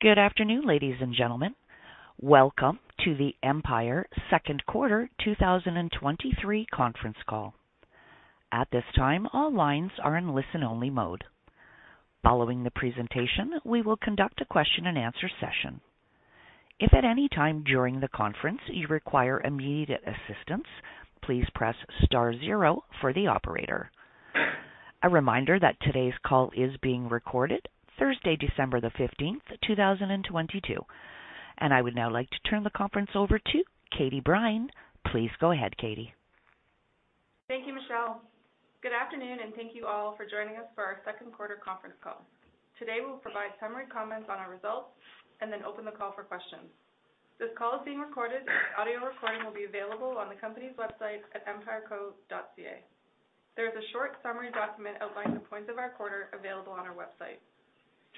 Good afternoon, ladies and gentlemen. Welcome to the Empire Second Quarter 2023 Conference Call. At this time, all lines are in listen-only mode. Following the presentation, we will conduct a question-and-answer session. If at any time during the conference you require immediate assistance, please press star zero for the Operator. A reminder that today's call is being recorded Thursday, December 15th, 2022. I would now like to turn the conference over to Katie Brine. Please go ahead, Katie. Thank you, Michelle. Good afternoon, and thank you all for joining us for our second quarter conference call. Today, we'll provide summary comments on our results and then open the call for questions. This call is being recorded, and an audio recording will be available on the company's website at empireco.ca. There is a short summary document outlining the points of our quarter available on our website.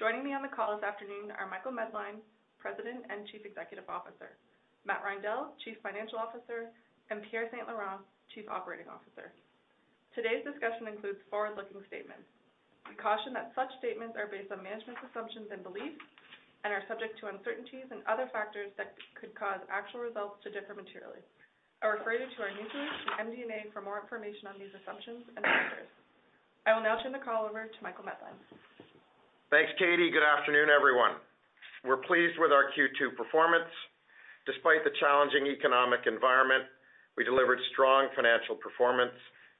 Joining me on the call this afternoon are Michael Medline, President and Chief Executive Officer, Matt Reindel, Chief Financial Officer, and Pierre St-Laurent, Chief Operating Officer. Today's discussion includes forward-looking statements. We caution that such statements are based on management's assumptions and beliefs and are subject to uncertainties and other factors that could cause actual results to differ materially. I refer you to our new form, MD&A for more information on these assumptions and factors.I will now turn the call over to Michael Medline. Thanks, Katie. Good afternoon, everyone. We're pleased with our Q2 performance. Despite the challenging economic environment, we delivered strong financial performance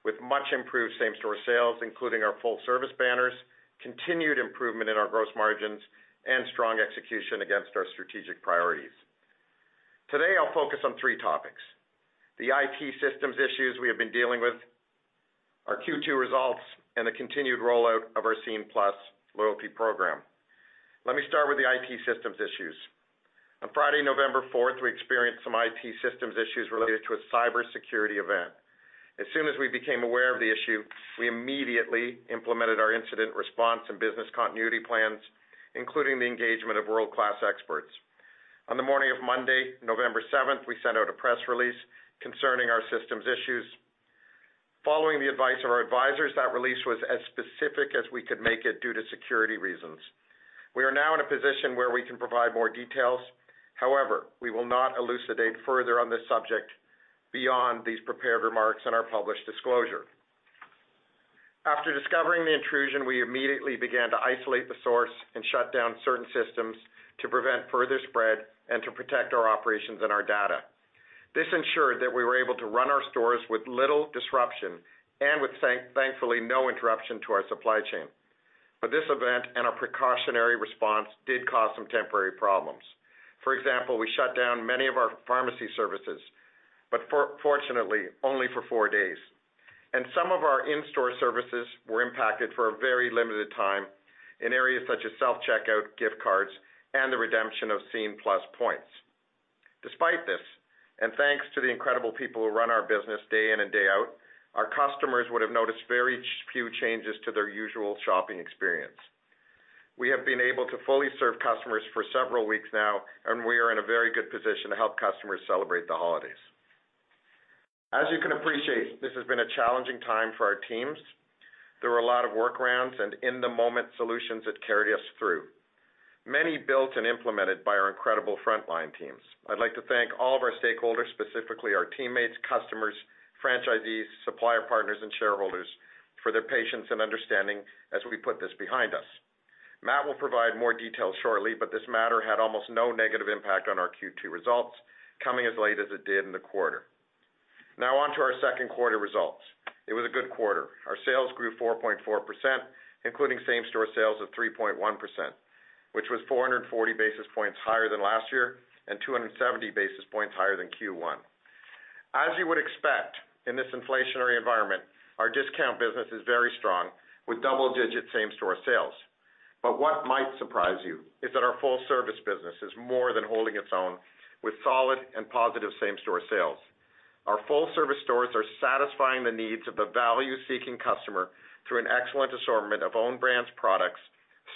with much improved same-store sales, including our full-service banners, continued improvement in our gross margins, and strong execution against our strategic priorities. Today, I'll focus on three topics: the IT systems issues we have been dealing with, our Q2 results, and the continued rollout of our Scene+ loyalty program. Let me start with the IT systems issues. On Friday, November 4th, we experienced some IT systems issues related to a cybersecurity event. As soon as we became aware of the issue, we immediately implemented our incident response and business continuity plans, including the engagement of world-class experts. On the morning of Monday, November 7th, we sent out a press release concerning our systems issues. Following the advice of our advisors, that release was as specific as we could make it due to security reasons. We are now in a position where we can provide more details. We will not elucidate further on this subject beyond these prepared remarks in our published disclosure. After discovering the intrusion, we immediately began to isolate the source and shut down certain systems to prevent further spread and to protect our operations and our data. This ensured that we were able to run our stores with little disruption and with thankfully, no interruption to our supply chain. This event and our precautionary response did cause some temporary problems. For example, we shut down many of our pharmacy services, but fortunately, only for four days. Some of our in-store services were impacted for a very limited time in areas such as self-checkout, gift cards, and the redemption of Scene+ points. Despite this, and thanks to the incredible people who run our business day in and day out, our customers would have noticed very few changes to their usual shopping experience. We have been able to fully serve customers for several weeks now, and we are in a very good position to help customers celebrate the holidays. As you can appreciate, this has been a challenging time for our teams. There were a lot of workarounds and in-the-moment solutions that carried us through. Many built and implemented by our incredible frontline teams. I'd like to thank all of our stakeholders, specifically our teammates, customers, franchisees, supplier partners, and shareholders for their patience and understanding as we put this behind us. Matt will provide more details shortly, but this matter had almost no negative impact on our Q2 results, coming as late as it did in the quarter. On to our second quarter results. It was a good quarter. Our sales grew 4.4%, including same-store sales of 3.1%, which was 440 basis points higher than last year and 270 basis points higher than Q1. As you would expect in this inflationary environment, our discount business is very strong with double-digit same-store sales. What might surprise you is that our full-service business is more than holding its own with solid and positive same-store sales. Our full-service stores are satisfying the needs of the value-seeking customer through an excellent assortment of Own Brands products,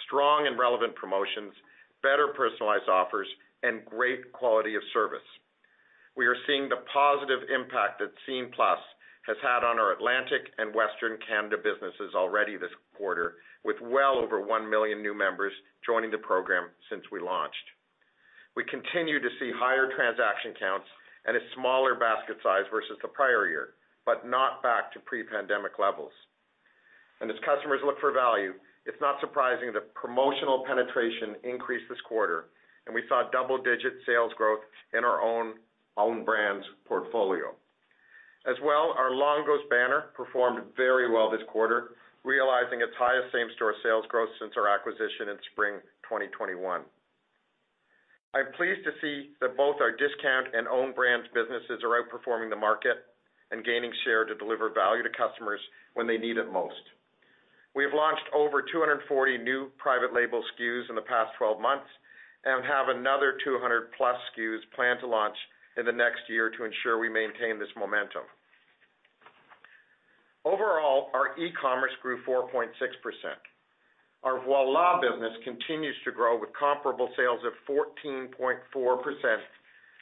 strong and relevant promotions, better personalized offers, and great quality of service. We are seeing the positive impact that Scene+ has had on our Atlantic and Western Canada businesses already this quarter, with well over 1 million new members joining the program since we launched. We continue to see higher transaction counts and a smaller basket size versus the prior year, but not back to pre-pandemic levels. As customers look for value, it's not surprising that promotional penetration increased this quarter, and we saw double-digit sales growth in our Own Brands portfolio. As well, our Longo's banner performed very well this quarter, realizing its highest same-store sales growth since our acquisition in spring 2021. I'm pleased to see that both our discount and Own Brands businesses are outperforming the market and gaining share to deliver value to customers when they need it most. We have launched over 240 new private label SKUs in the past 12 months and have another 200+ SKUs planned to launch in the next year to ensure we maintain this momentum. Overall, our e-commerce grew 4.6%. Our Voilà business continues to grow with comparable sales of 14.4%,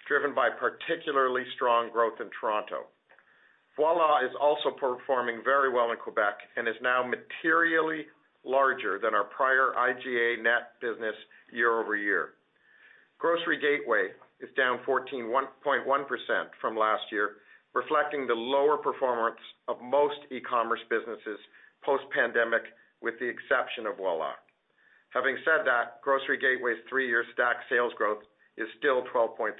driven by particularly strong growth in Toronto. Voilà is also performing very well in Quebec and is now materially larger than our prior IGA.net business year-over-year. Grocery Gateway is down 14.1% from last year, reflecting the lower performance of most e-commerce businesses post-pandemic, with the exception of Voilà. Having said that, Grocery Gateway's three-year stack sales growth is still 12.3%.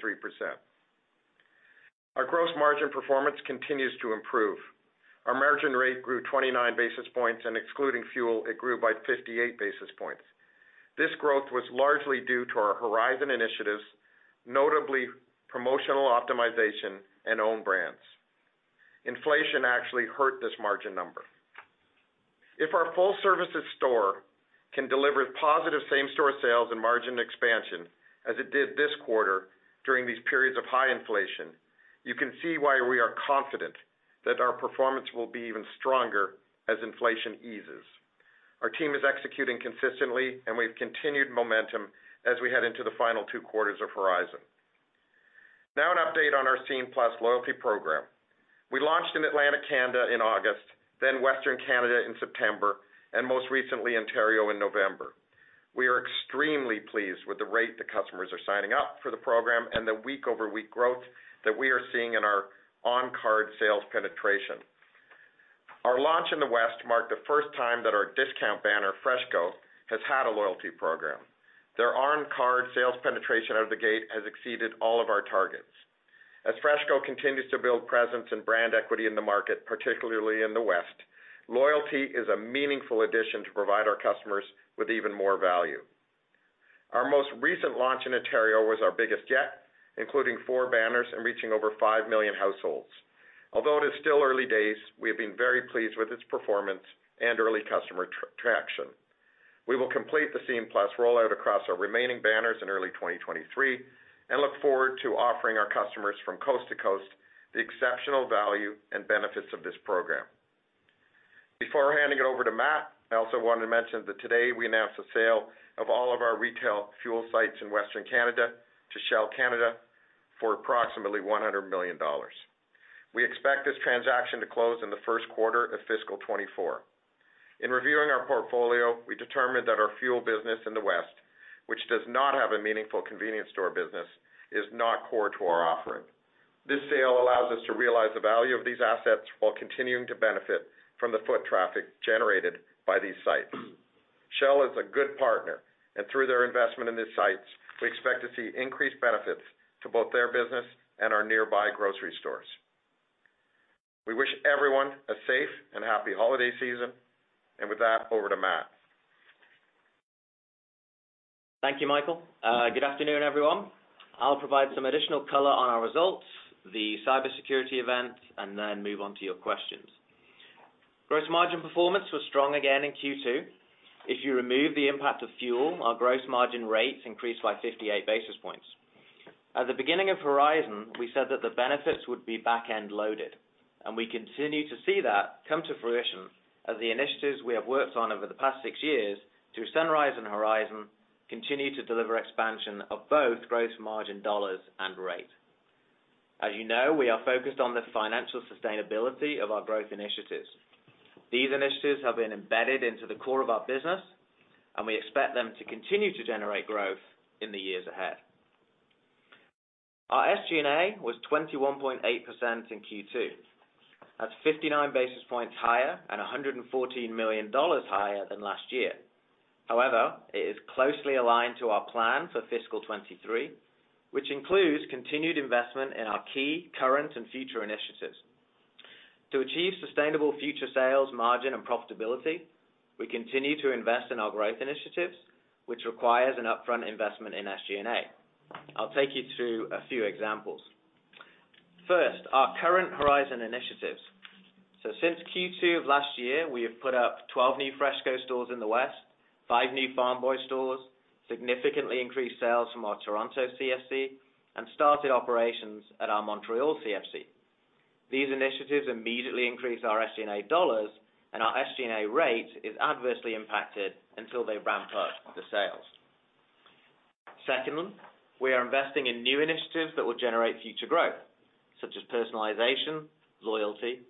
Our gross margin performance continues to improve. Our margin rate grew 29 basis points, and excluding fuel, it grew by 58 basis points. This growth was largely due to our Horizon initiatives, notably promotional optimization and Own Brands. Inflation actually hurt this margin number. If our full services store can deliver positive same-store sales and margin expansion as it did this quarter during these periods of high inflation, you can see why we are confident that our performance will be even stronger as inflation eases. Our team is executing consistently and we have continued momentum as we head into the final two quarters of Horizon. An update on our Scene+ loyalty program. We launched in Atlantic Canada in August, then Western Canada in September, and most recently Ontario in November.We are extremely pleased with the rate that customers are signing up for the program and the week-over-week growth that we are seeing in our on-card sales penetration. Our launch in the West marked the first time that our discount banner, FreshCo, has had a loyalty program. Their on-card sales penetration out of the gate has exceeded all of our targets. As FreshCo continues to build presence and brand equity in the market, particularly in the West, loyalty is a meaningful addition to provide our customers with even more value. Our most recent launch in Ontario was our biggest yet, including four banners and reaching over 5 million households. Although it is still early days, we have been very pleased with its performance and early customer traction. We will complete the Scene+ rollout across our remaining banners in early 2023 and look forward to offering our customers from coast to coast the exceptional value and benefits of this program. Before handing it over to Matt, I also wanted to mention that today we announced the sale of all of our retail fuel sites in Western Canada to Shell Canada for approximately 100 million dollars. We expect this transaction to close in the first quarter of fiscal 2024. In reviewing our portfolio, we determined that our fuel business in the West, which does not have a meaningful convenience store business, is not core to our offering. This sale allows us to realize the value of these assets while continuing to benefit from the foot traffic generated by these sites. Shell is a good partner, and through their investment in these sites, we expect to see increased benefits to both their business and our nearby grocery stores. We wish everyone a safe and happy holiday season. With that, over to Matt. Thank you, Michael. Good afternoon, everyone. I'll provide some additional color on our results, the cybersecurity event, and then move on to your questions. Gross margin performance was strong again in Q2. If you remove the impact of fuel, our gross margin rates increased by 58 basis points. At the beginning of Horizon, we said that the benefits would be back-end loaded, and we continue to see that come to fruition as the initiatives we have worked on over the past six years through Sunrise and Horizon continue to deliver expansion of both gross margin dollars and rate. As you know, we are focused on the financial sustainability of our growth initiatives. These initiatives have been embedded into the core of our business, and we expect them to continue to generate growth in the years ahead. Our SG&A was 21.8% in Q2. That's 59 basis points higher and 114 million dollars higher than last year. It is closely aligned to our plan for fiscal 2023, which includes continued investment in our key current and future initiatives. To achieve sustainable future sales, margin, and profitability, we continue to invest in our growth initiatives, which requires an upfront investment in SG&A. I'll take you through a few examples. First, our current Horizon initiatives. Since Q2 of last year, we have put up 12 new FreshCo stores in the West, five new Farm Boy stores, significantly increased sales from our Toronto CFC, and started operations at our Montreal CFC. These initiatives immediately increase our SG&A dollars, and our SG&A rate is adversely impacted until they ramp up the sales. We are investing in new initiatives that will generate future growth, such as personalization, loyalty,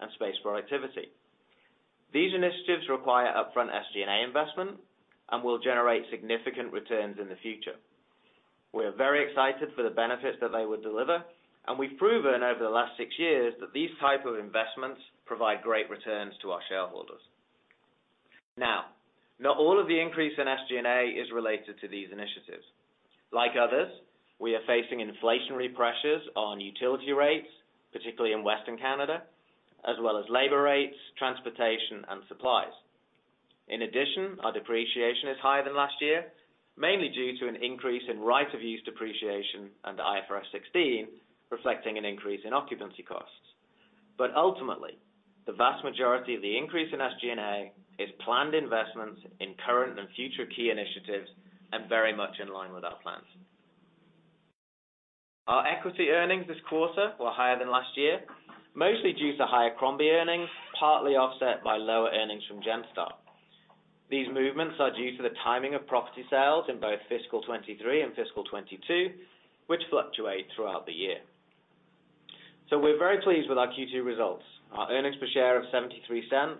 and space productivity. These initiatives require upfront SG&A investment and will generate significant returns in the future. We are very excited for the benefits that they will deliver, and we've proven over the last six years that these type of investments provide great returns to our shareholders. Now, not all of the increase in SG&A is related to these initiatives. Like others, we are facing inflationary pressures on utility rates, particularly in Western Canada, as well as labor rates, transportation, and supplies. In addition, our depreciation is higher than last year, mainly due to an increase in right of use depreciation under IFRS 16, reflecting an increase in occupancy costs. Ultimately, the vast majority of the increase in SG&A is planned investments in current and future key initiatives and very much in line with our plans. Our equity earnings this quarter were higher than last year, mostly due to higher Crombie earnings, partly offset by lower earnings from Genstar. These movements are due to the timing of property sales in both fiscal 2023 and fiscal 2022, which fluctuate throughout the year. We're very pleased with our Q2 results. Our earnings per share of 0.73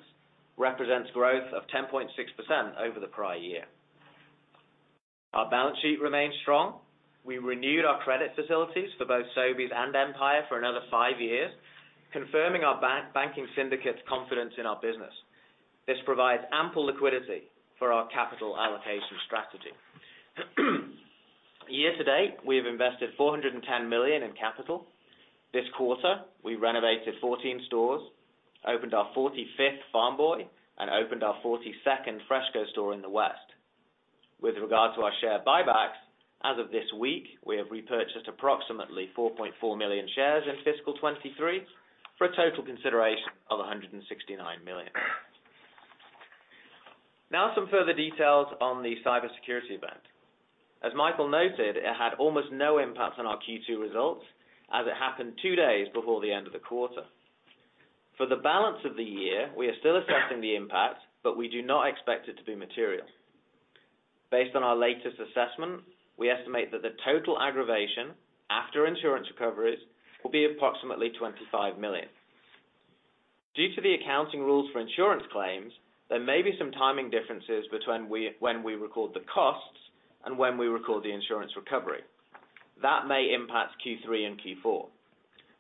represents growth of 10.6% over the prior year. Our balance sheet remains strong. We renewed our credit facilities for both Sobeys and Empire for another five years, confirming our banking syndicate's confidence in our business. This provides ample liquidity for our capital allocation strategy. Year to date, we have invested 410 million in capital. This quarter, we renovated 14 stores, opened our 45th Farm Boy, and opened our 42nd FreshCo store in the West.With regard to our share buybacks, as of this week, we have repurchased approximately 4.4 million shares in fiscal 2023 for a total consideration of 169 million. Some further details on the cybersecurity event. As Michael noted, it had almost no impact on our Q2 results as it happened two days before the end of the quarter. For the balance of the year, we are still assessing the impact, but we do not expect it to be material. Based on our latest assessment, we estimate that the total aggravation after insurance recoveries will be approximately 25 million. Due to the accounting rules for insurance claims, there may be some timing differences between when we record the costs and when we record the insurance recovery. That may impact Q3 and Q4.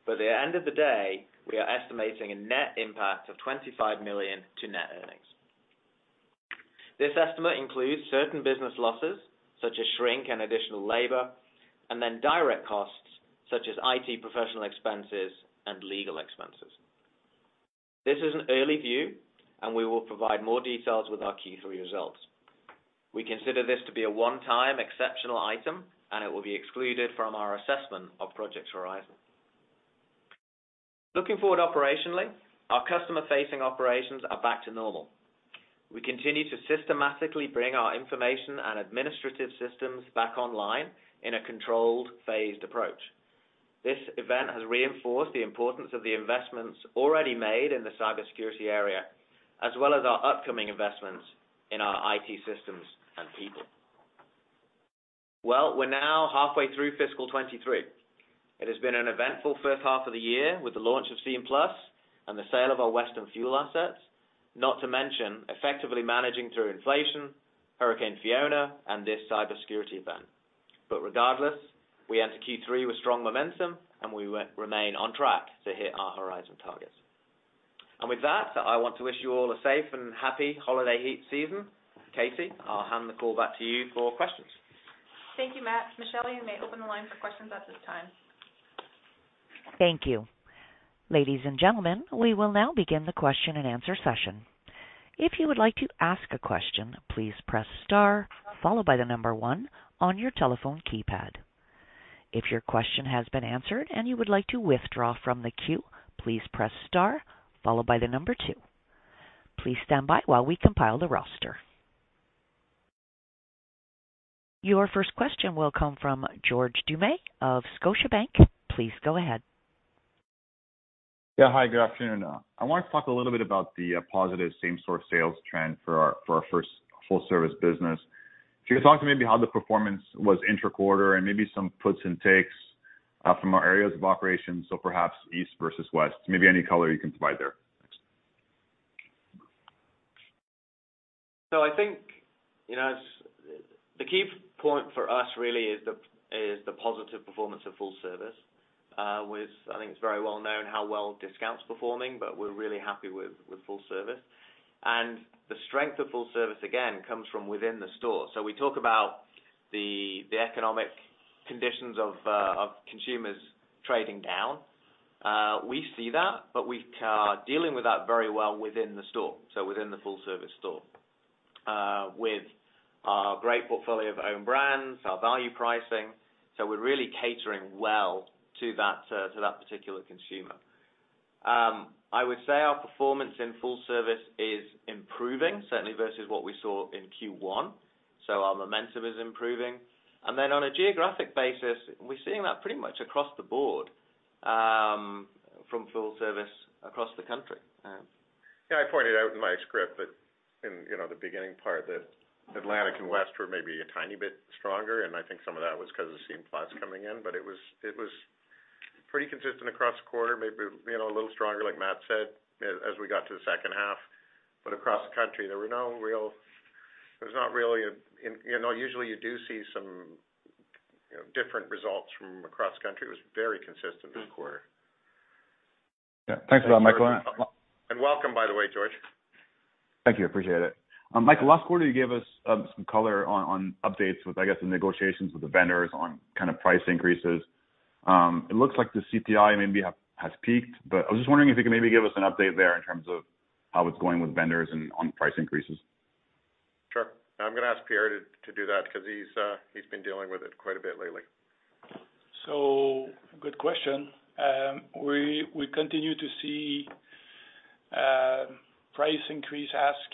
At the end of the day, we are estimating a net impact of 25 million to net earnings. This estimate includes certain business losses, such as shrink and additional labor, and then direct costs such as IT professional expenses and legal expenses. This is an early view, and we will provide more details with our Q3 results. We consider this to be a one-time exceptional item, and it will be excluded from our assessment of Project Horizon. Looking forward operationally, our customer-facing operations are back to normal. We continue to systematically bring our information and administrative systems back online in a controlled, phased approach. This event has reinforced the importance of the investments already made in the cybersecurity area, as well as our upcoming investments in our IT systems and people. Well, we're now halfway through fiscal 2023. It has been an eventful first half of the year with the launch of Scene+ and the sale of our Western fuel assets, not to mention effectively managing through inflation, Hurricane Fiona, and this cybersecurity event. Regardless, we enter Q3 with strong momentum, and we remain on track to hit our Horizon targets. With that, I want to wish you all a safe and happy holiday heat season. Katie, I'll hand the call back to you for questions. Thank you, Matt. Michelle, you may open the line for questions at this time. Thank you. Ladies and gentlemen, we will now begin the question-and-answer session. If you would like to ask a question, please press star followed by one on your telephone keypad. If your question has been answered and you would like to withdraw from the queue, please press star followed by two. Please stand by while we compile the roster. Your first question will come from George Doumet of Scotiabank. Please go ahead. Hi, good afternoon. I wanted to talk a little bit about the positive same-store sales trend for our first full service business. If you could talk to maybe how the performance was inter-quarter and maybe some puts and takes from our areas of operations, so perhaps East versus West, maybe any color you can provide there? Thanks. I think, you know, the key point for us really is the positive performance of full service. I think it's very well known how well discount's performing, but we're really happy with full service. The strength of full service, again, comes from within the store. We talk about the economic conditions of consumers trading down. We see that, but we are dealing with that very well within the store, so within the full service store, with our great portfolio of Own Brands, our value pricing. We're really catering well to that particular consumer. I would say our performance in full service is improving, certainly versus what we saw in Q1. Our momentum is improving. On a geographic basis, we're seeing that pretty much across the board, from full service across the country. Yeah, I pointed out in my script that in, you know, the beginning part that Atlantic and West were maybe a tiny bit stronger, I think some of that was because of Scene+ coming in. It was pretty consistent across the quarter, maybe, you know, a little stronger, like Matt said, as we got to the second half. Across the country, there were no real there's not really. You know, usually you do see some, you know, different results from across country. It was very consistent this quarter. Yeah. Thanks for that, Michael. Welcome, by the way, George. Thank you. I appreciate it. Michael, last quarter you gave us, some color on updates with, I guess, the negotiations with the vendors on kind of price increases. It looks like the CPI has peaked, but I was just wondering if you could maybe give us an update there in terms of how it's going with vendors and on price increases. Sure. I'm gonna ask Pierre to do that 'cause he's been dealing with it quite a bit lately. Good question. We, we continue to see price increase ask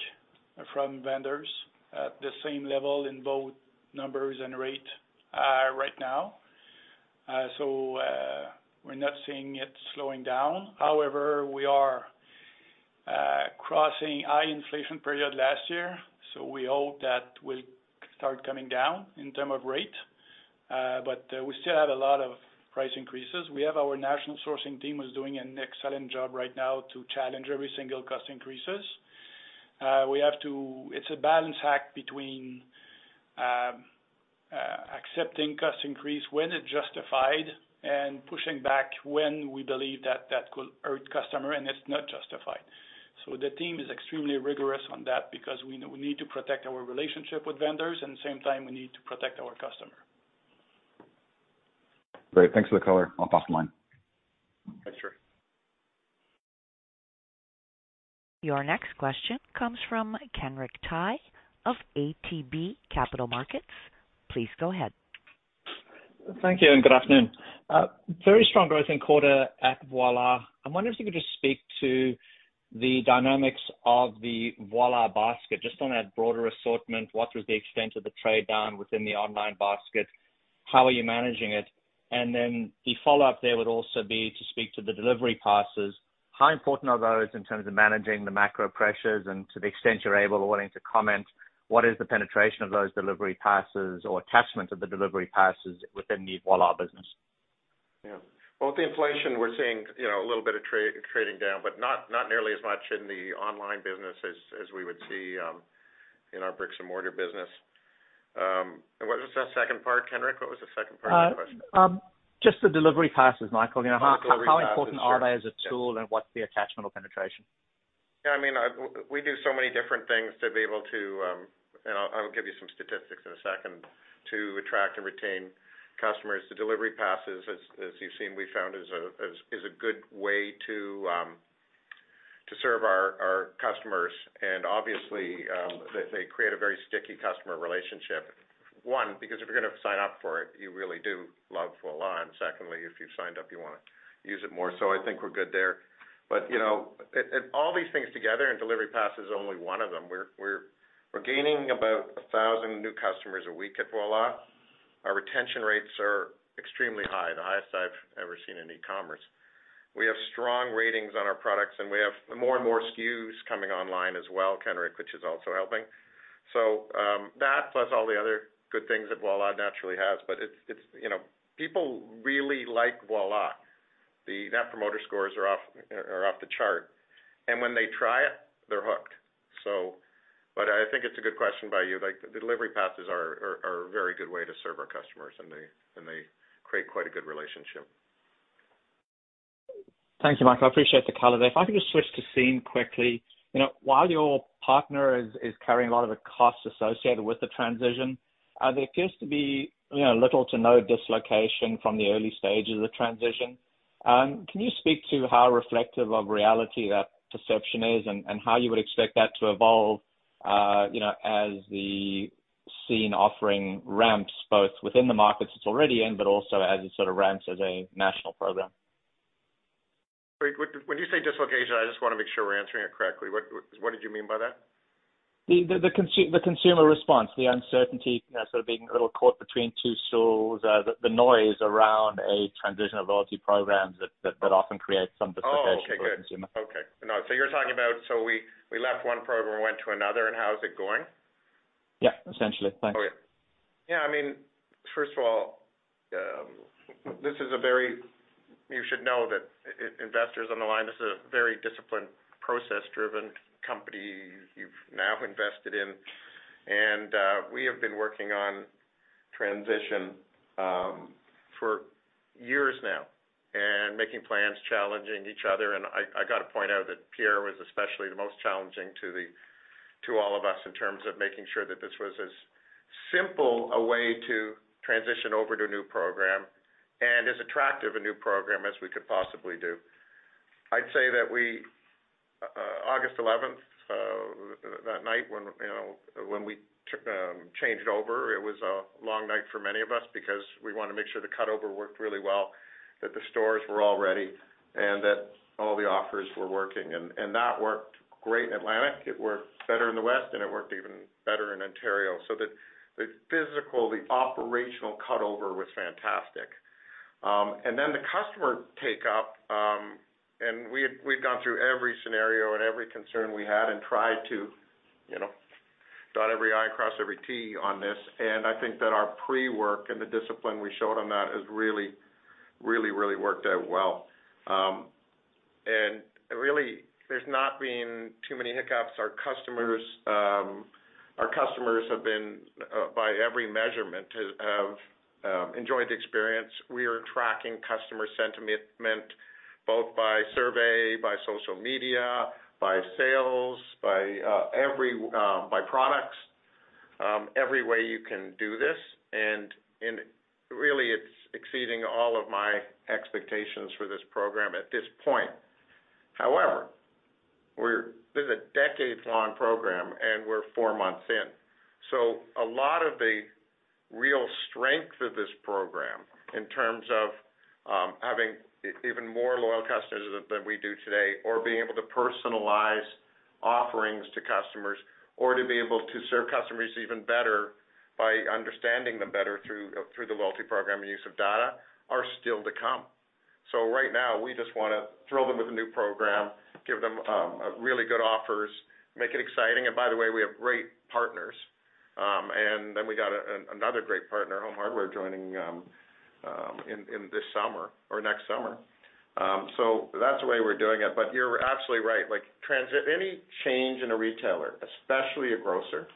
from vendors at the same level in both numbers and rate right now. We're not seeing it slowing down. However, we are crossing high inflation period last year, so we hope that will start coming down in term of rate. We still have a lot of price increases. We have our national sourcing team who's doing an excellent job right now to challenge every single cost increases. It's a balance act between accepting cost increase when it's justified and pushing back when we believe that that could hurt customer and it's not justified. The team is extremely rigorous on that because we need to protect our relationship with vendors, and at the same time we need to protect our customer. Great. Thanks for the color. I'll pass the line. Thanks, George. Your next question comes from Kenric Tyghe of ATB Capital Markets. Please go ahead. Thank you and good afternoon. Very strong growth in quarter at Voilà. I'm wondering if you could just speak to the dynamics of the Voilà basket, just on that broader assortment. What was the extent of the trade-down within the online basket? How are you managing it? The follow-up there would also be to speak to the delivery passes. How important are those in terms of managing the macro pressures? To the extent you're able or willing to comment, what is the penetration of those delivery passes or attachment of the delivery passes within the Voilà business? Yeah. Both the inflation we're seeing, you know, a little bit of trading down, but not nearly as much in the online business as we would see, in our bricks-and-mortar business. What was that second part, Kenric? What was the second part of the question? Just the delivery passes, Michael. You know, how important are they as a tool? What's the attachmental penetration? Yeah, I mean, we do so many different things to be able to, and I'll give you some statistics in a second, to attract and retain customers. The delivery passes, as you've seen, we found is a good way to serve our customers. Obviously, they create a very sticky customer relationship. One, because if you're gonna sign up for it, you really do love Voilà. Secondly, if you've signed up, you wanna use it more. I think we're good there. You know, it all these things together, and delivery pass is only one of them. We're gaining about 1,000 new customers a week at Voilà. Our retention rates are extremely high, the highest I've ever seen in e-commerce. We have strong ratings on our products, and we have more and more SKUs coming online as well, Kenric, which is also helping. That plus all the other good things that Voilà naturally has, but it's, you know, people really like Voilà. The net promoter scores are off the chart. When they try it, they're hooked. But I think it's a good question by you. Like, the delivery passes are a very good way to serve our customers, and they create quite a good relationship. Thank you, Michael. I appreciate the color there. If I could just switch to Scene+ quickly. You know, while your partner is carrying a lot of the costs associated with the transition, there appears to be, you know, little to no dislocation from the early stages of transition. Can you speak to how reflective of reality that perception is and how you would expect that to evolve, you know, as the Scene+ offering ramps, both within the markets it's already in, but also as it sort of ramps as a national program? Wait, when you say dislocation, I just wanna make sure we're answering it correctly. What did you mean by that? The consumer response, the uncertainty, you know, sort of being a little caught between two stools. The noise around a transition of loyalty programs that often creates some dislocation for the consumer. Oh, okay, good. Okay. No, you're talking about, we left one program and went to another. How is it going? Yeah, essentially. Thanks. Okay. Yeah, I mean, first of all, this is a very disciplined, process-driven company you've now invested in. We have been working on transition for years now and making plans, challenging each other. I gotta point out that Pierre was especially the most challenging to all of us in terms of making sure that this was as simple a way to transition over to a new program and as attractive a new program as we could possibly do. I'd say that we, August 11th, so that night when, you know, when we changed over, it was a long night for many of us because we wanna make sure the cutover worked really well, that the stores were all ready, and that all the offers were working. That worked great in Atlantic. It worked better in the West, and it worked even better in Ontario. The physical, the operational cutover was fantastic. The customer take-up, and we've gone through every scenario and every concern we had and tried to, you know, dot every I, cross every T on this. I think that our pre-work and the discipline we showed on that has really worked out well. Really there's not been too many hiccups. Our customers have been by every measurement, have enjoyed the experience. We are tracking customer sentiment both by survey, by social media, by sales, by every by products, every way you can do this. Really, it's exceeding all of my expectations for this program at this point. However, this is a decades-long program, and we're four months in. A lot of the real strength of this program in terms of having even more loyal customers than we do today, or being able to personalize offerings to customers, or to be able to serve customers even better by understanding them better through the loyalty program and use of data, are still to come. Right now, we just wanna thrill them with a new program, give them really good offers, make it exciting. By the way, we have great partners. Then we got another great partner, Home Hardware, joining this summer or next summer. That's the way we're doing it. You're absolutely right. Like any change in a retailer, especially a grocer,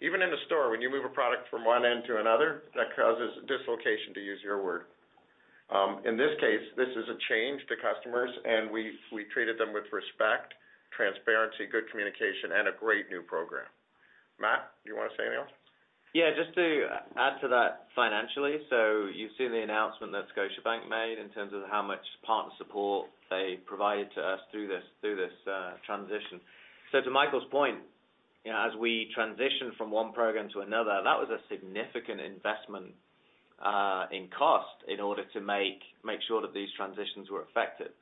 even in a store, when you move a product from one end to another, that causes dislocation, to use your word. In this case, this is a change to customers, and we treated them with respect, transparency, good communication, and a great new program. Matt, you wanna say anything else? Yeah, just to add to that financially. You've seen the announcement that Scotiabank made in terms of how much partner support they provided to us through this, through this transition. To Michael's point, you know, as we transition from one program to another, that was a significant investment in cost in order to make sure that these transitions were effective.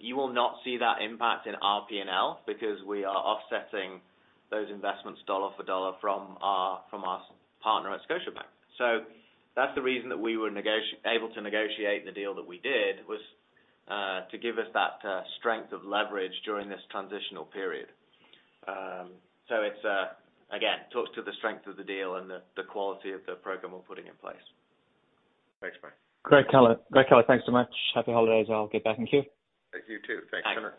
You will not see that impact in our P&L because we are offsetting those investments dollar for dollar from our partner at Scotiabank. That's the reason that we were negotiable to negotiate the deal that we did, was to give us that strength of leverage during this transitional period. It again talks to the strength of the deal and the quality of the program we're putting in place. Thanks, Matt. Great, color. Thanks so much. Happy holidays. I'll get back in queue. Thank you, too. Thanks, Kenric.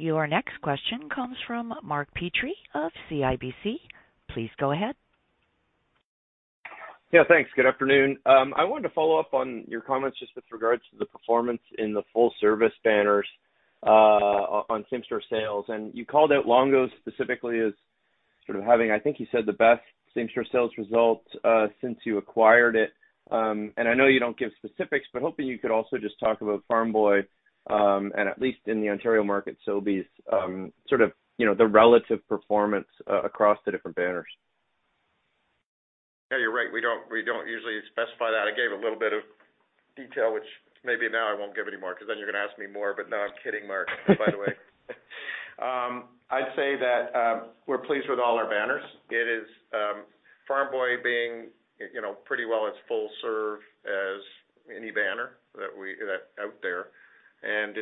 Your next question comes from Mark Petrie of CIBC. Please go ahead. Yeah, thanks. Good afternoon. I wanted to follow up on your comments just with regards to the performance in the full service banners, on same store sales. You called out Longo's specifically as sort of having, I think you said, the best same store sales results, since you acquired it. I know you don't give specifics, but hoping you could also just talk about Farm Boy, and at least in the Ontario market, Sobeys, sort of, you know, the relative performance across the different banners. Yeah, you're right. We don't usually specify that. I gave a little bit of detail, which maybe now I won't give any more because then you're gonna ask me more. No, I'm kidding, Mark, by the way. I'd say that we're pleased with all our banners. It is Farm Boy being, you know, pretty well as full serve as any banner that out there, and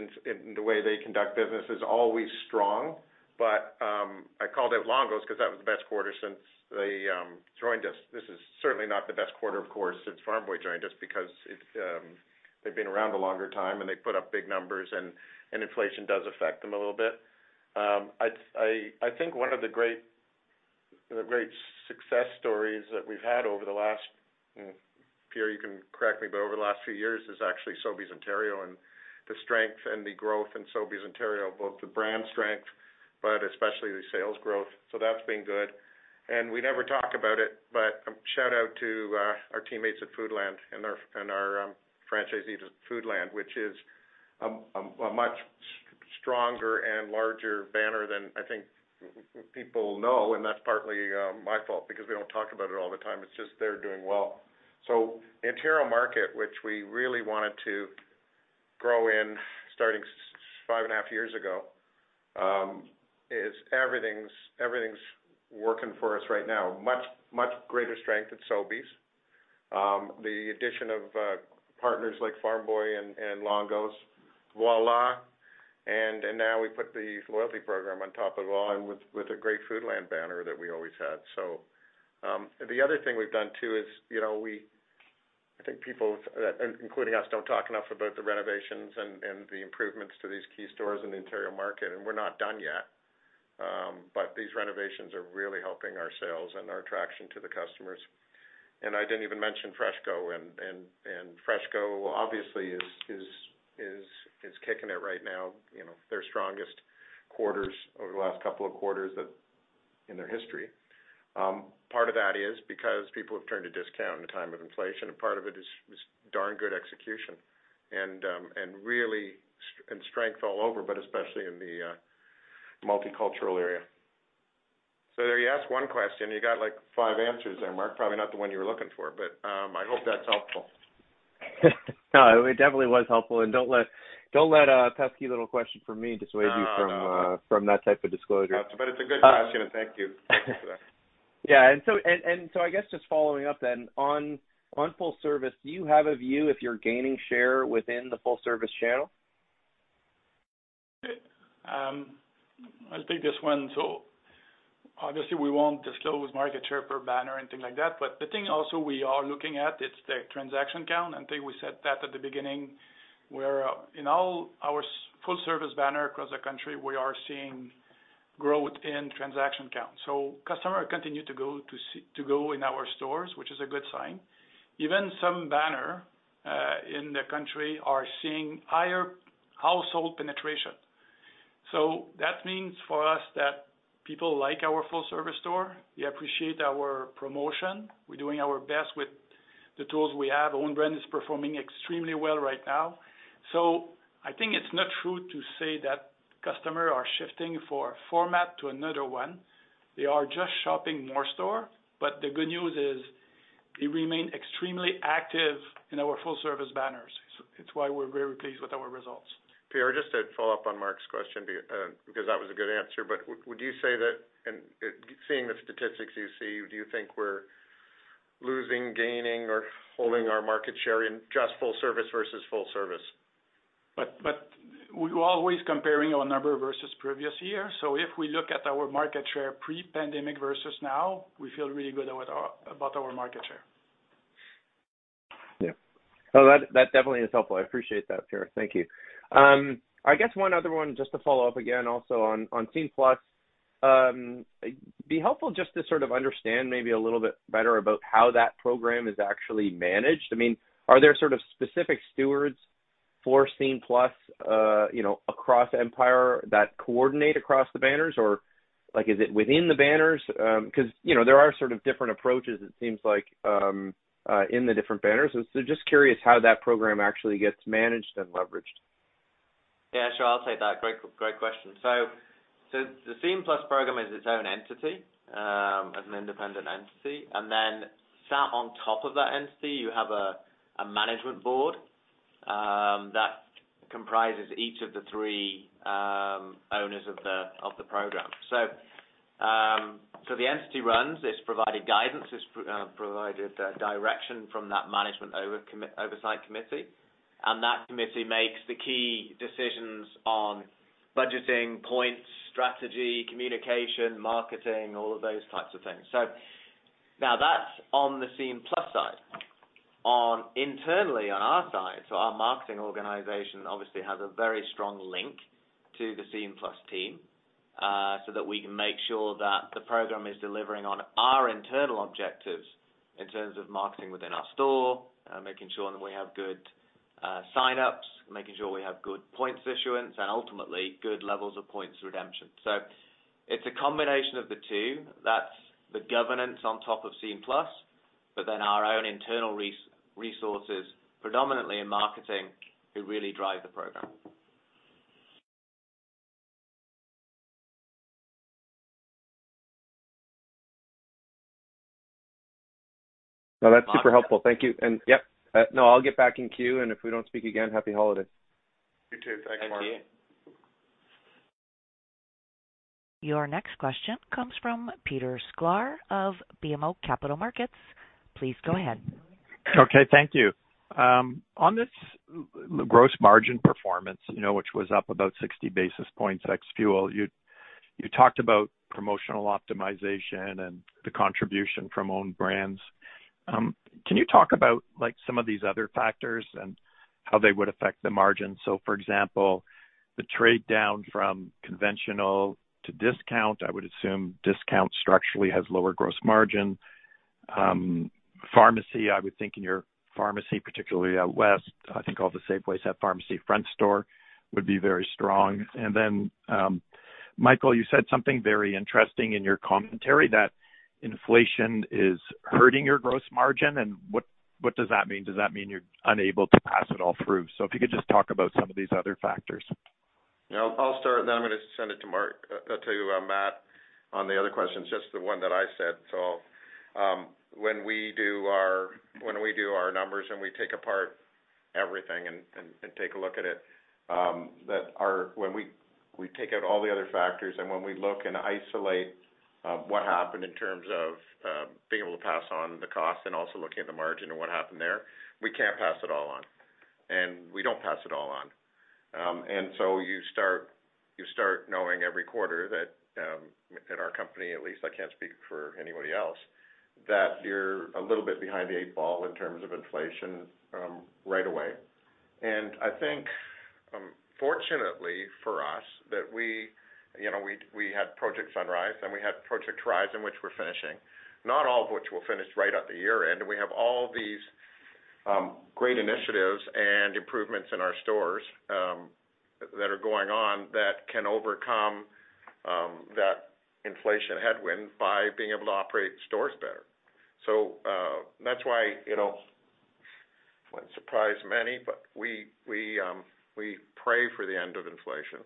the way they conduct business is always strong. I called out Longo's 'cause that was the best quarter since they joined us. This is certainly not the best quarter, of course, since Farm Boy joined us because it, they've been around a longer time, and they put up big numbers and inflation does affect them a little bit.I think one of the great success stories that we've had over the last, Pierre, you can correct me, but over the last few years is actually Sobeys Ontario and the strength and the growth in Sobeys Ontario, both the brand strength, but especially the sales growth. That's been good. We never talk about it, but shout out to our teammates at Foodland and our franchisees at Foodland, which is a much stronger and larger banner than I think people know, and that's partly my fault because we don't talk about it all the time. It's just they're doing well. The Ontario market, which we really wanted to grow in starting five and a half years ago, is everything's working for us right now. Much greater strength at Sobeys. The addition of partners like Farm Boy and Longo's, Voilà. Now we put the loyalty program on top of it all and with a great Foodland banner that we always had. The other thing we've done, too, is, you know, I think people, including us, don't talk enough about the renovations and the improvements to these key stores in the Ontario market, and we're not done yet. These renovations are really helping our sales and our attraction to the customers. I didn't even mention FreshCo, and FreshCo obviously is kicking it right now. You know, their strongest quarters over the last couple of quarters that in their history. Part of that is because people have turned to discount in a time of inflation, and part of it is darn good execution and strength all over, but especially in the multicultural area. You asked one question, you got, like, five answers there, Mark. Probably not the one you were looking for, but, I hope that's helpful. No, it definitely was helpful. Don't let a pesky little question from me dissuade you. No, no. From that type of disclosure. It's a good question. Thank you. Yeah. I guess just following up then on full service, do you have a view if you're gaining share within the full service channel? I'll take this one. Obviously we won't disclose market share per banner or anything like that, but the thing also we are looking at it's the transaction count. I think we said that at the beginning, where in all our full-service banner across the country, we are seeing growth in transaction count. Customer continue to go to go in our stores, which is a good sign. Even some banner in the country are seeing higher household penetration. That means for us that people like our full-service store, they appreciate our promotion. We're doing our best with the tools we have. Own Brands is performing extremely well right now. I think it's not true to say customer are shifting for format to another one. They are just shopping more store. The good news is they remain extremely active in our full service banners. It's why we're very pleased with our results. Pierre, just to follow up on Mark's question because that was a good answer. Would you say that and, seeing the statistics you see, do you think we're losing, gaining, or holding our market share in just full service versus full service? We're always comparing our number versus previous year. If we look at our market share pre-pandemic versus now, we feel really good about our market share. Yeah. That definitely is helpful. I appreciate that, Pierre. Thank you. I guess one other one, just to follow up again also on Scene+. It'd be helpful just to sort of understand maybe a little bit better about how that program is actually managed. I mean, are there sort of specific stewards for Scene+, you know, across Empire that coordinate across the banners? Or like, is it within the banners? 'Cause, you know, there are sort of different approaches, it seems like, in the different banners. Just curious how that program actually gets managed and leveraged. Sure. I'll take that. Great, great question. The Scene+ program is its own entity, as an independent entity. Then sat on top of that entity, you have a management board, that comprises each of the three owners of the program. The entity runs, it's provided guidance, it's provided direction from that management oversight committee. That committee makes the key decisions on budgeting, points, strategy, communication, marketing, all of those types of things. Now that's on the Scene+ side. On internally on our side, our marketing organization obviously has a very strong link to the Scene+ team, so that we can make sure that the program is delivering on our internal objectives in terms of marketing within our store, making sure that we have good sign-ups, making sure we have good points issuance, and ultimately, good levels of points redemption. It's a combination of the two. That's the governance on top of Scene+, our own internal resources, predominantly in marketing, who really drive the program. No, that's super helpful. Thank you. Yep. No, I'll get back in queue. If we don't speak again, happy holidays. You too. Thanks, Mark. Thank you. Your next question comes from Peter Sklar of BMO Capital Markets. Please go ahead. Okay, thank you. On this gross margin performance, you know, which was up about 60 basis points ex fuel, you talked about promotional optimization and the contribution from Own Brands. Can you talk about like, some of these other factors and how they would affect the margin? For example, the trade-down from conventional to discount, I would assume discount structurally has lower gross margin. Pharmacy, I would think in your pharmacy, particularly out west, I think all the Safeway's have pharmacy front store, would be very strong. Then, Michael, you said something very interesting in your commentary that inflation is hurting your gross margin. What does that mean? Does that mean you're unable to pass it all through? If you could just talk about some of these other factors. Yeah, I'll start, I'm gonna send it to Mark to Matt on the other questions, just the one that I said so. When we do our numbers and we take apart everything and take a look at it, When we take out all the other factors and when we look and isolate what happened in terms of being able to pass on the cost and also looking at the margin and what happened there, we can't pass it all on, and we don't pass it all on. You start knowing every quarter that at our company at least, I can't speak for anybody else, that you're a little bit behind the eight ball in terms of inflation right away. I think, fortunately for us that we had Project Sunrise, and we had Project Horizon, which we're finishing, not all of which will finish right at the year-end. We have all these great initiatives and improvements in our stores that are going on that can overcome that inflation headwind by being able to operate stores better. That's why it wouldn't surprise many, but we pray for the end of inflation.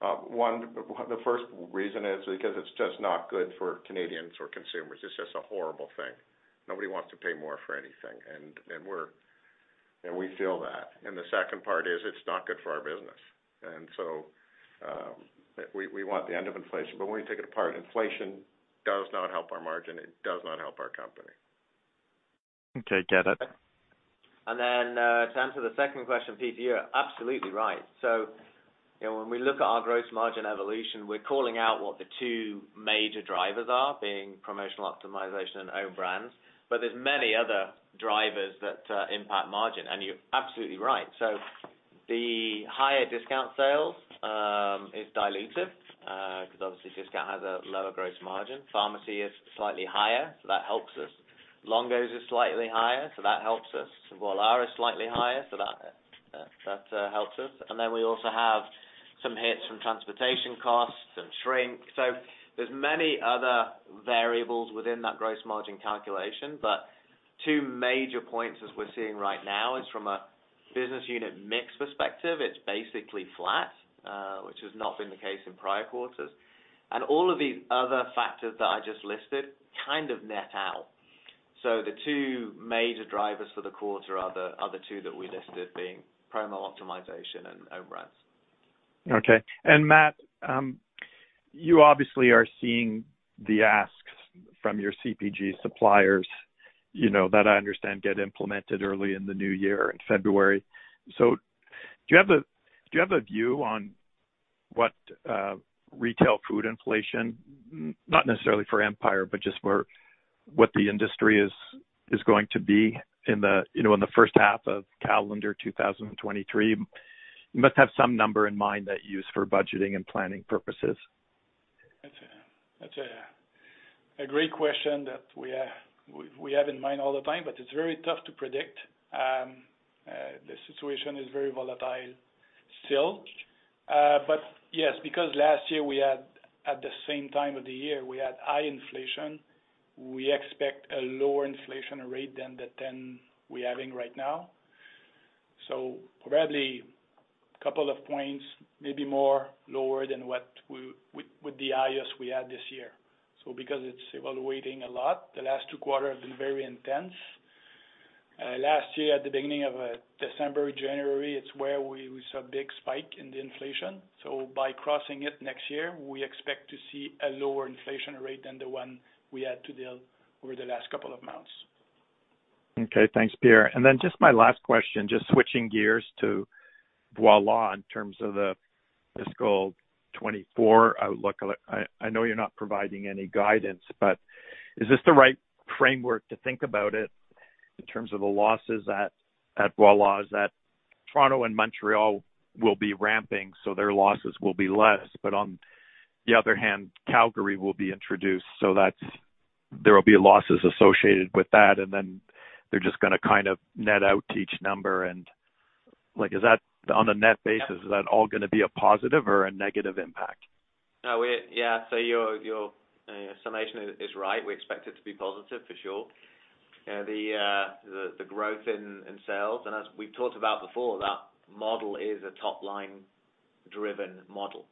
The first reason is because it's just not good for Canadians or consumers. It's just a horrible thing. Nobody wants to pay more for anything. We feel that. The second part is it's not good for our business. We want the end of inflation. When we take it apart, inflation does not help our margin. It does not help our company. Okay, get it. To answer the second question, Peter, you're absolutely right. You know, when we look at our gross margin evolution, we're calling out what the two major drivers are, being promotional optimization and Own Brands, but there's many other drivers that impact margin. You're absolutely right. The higher discount sales is diluted 'cause obviously discount has a lower gross margin. Pharmacy is slightly higher, so that helps us. Longo's is slightly higher, so that helps us. Voilà is slightly higher, so that helps us. We also have some hits from transportation costs and shrink. There's many other variables within that gross margin calculation. Two major points as we're seeing right now is from a business unit mix perspective, it's basically flat, which has not been the case in prior quarters. All of these other factors that I just listed kind of net out. The two major drivers for the quarter are the two that we listed being promo optimization and overruns. Okay. Matt, you obviously are seeing the asks from your CPG suppliers, you know, that I understand get implemented early in the new year in February. Do you have a view on what retail food inflation, not necessarily for Empire, but just for what the industry is going to be in the, you know, in the first half of calendar 2023? You must have some number in mind that you use for budgeting and planning purposes. That's a great question that we have in mind all the time, but it's very tough to predict. The situation is very volatile still. Yes, because last year at the same time of the year, we had high inflation. We expect a lower inflation rate than the 10 we're having right now. Probably two points, maybe more lower than with the highest we had this year. Because it's evaluating a lot, the last two quarters have been very intense. Last year at the beginning of December, January, it's where we saw a big spike in the inflation. By crossing it next year, we expect to see a lower inflation rate than the one we had to deal over the last two months. Okay. Thanks, Pierre. Just my last question, just switching gears to Voilà in terms of the fiscal 2024 outlook. I know you're not providing any guidance, but is this the right framework to think about it in terms of the losses at Voilà? Is that Toronto and Montreal will be ramping, so their losses will be less, but on the other hand, Calgary will be introduced. So there will be losses associated with that, and then they're just gonna kind of net out to each number and, like, is that on a net basis, is that all gonna be a positive or a negative impact? No. Yeah. Your, your summation is right. We expect it to be positive for sure. The growth in sales, and as we've talked about before, that model is a top-line driven model.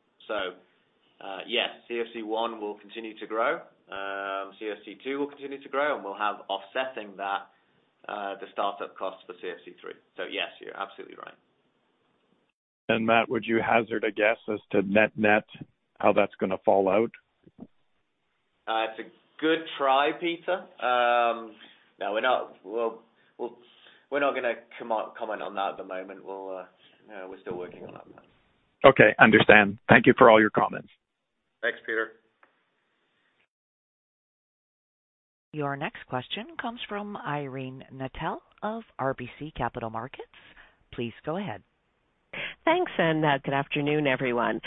Yes, CFC 1 will continue to grow. CFC 2 will continue to grow, and we'll have offsetting that, the startup cost for CFC 3. Yes, you're absolutely right. Matt, would you hazard a guess as to net-net, how that's gonna fall out? It's a good try, Peter. No, we're not gonna comment on that at the moment. No, we're still working on that. Okay. Understand. Thank you for all your comments. Thanks, Peter. Your next question comes from Irene Nattel of RBC Capital Markets. Please go ahead. Thanks. Good afternoon, everyone.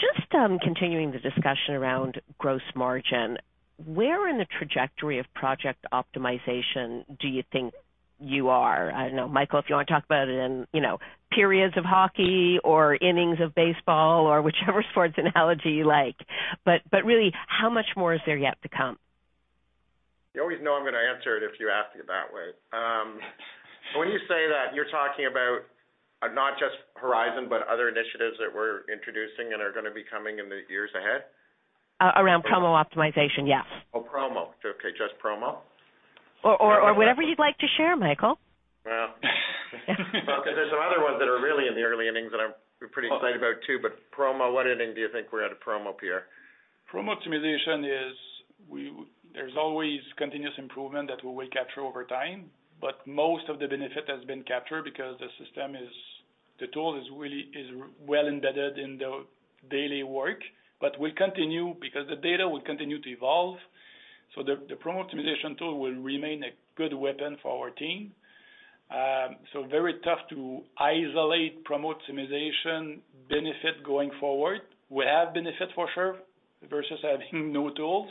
Just continuing the discussion around gross margin, where in the trajectory of project optimization do you think you are? I don't know, Michael, if you wanna talk about it in, you know, periods of hockey or innings of baseball or whichever sports analogy you like. Really, how much more is there yet to come? You always know I'm gonna answer it if you ask it that way. When you say that, you're talking about not just Horizon, but other initiatives that we're introducing and are gonna be coming in the years ahead? Around promo optimization. Yes. Oh, promo. Okay, just promo? Whatever you'd like to share, Michael. 'Cause there's some other ones that are really in the early innings that we're pretty excited about too. Promo, what inning do you think we're at promo, Pierre? Promo optimization is there's always continuous improvement that we will capture over time, but most of the benefit has been captured because the system the tool is well embedded in the daily work. We continue because the data will continue to evolve. The promo optimization tool will remain a good weapon for our team. Very tough to isolate promo optimization benefit going forward. We have benefit for sure versus having no tools.